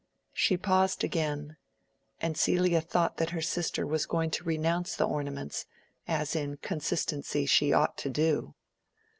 She paused again, and Celia thought that her sister was going to renounce the ornaments, as in consistency she ought to do.